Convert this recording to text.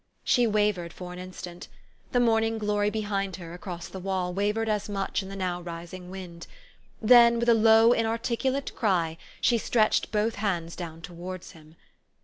She wavered for an instant. The morning glory behind her, across the wall, wavered as much in the now rising wind. Then, with a low, inarticulate cry, she stretched both hands down towards him.